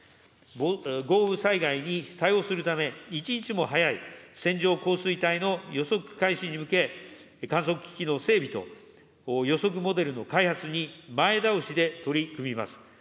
豪雨災害に対応するため、一日も早い線状降水帯の予測開始に向け、観測機器の整備と予測モデルの開発に前倒しで取り組みます。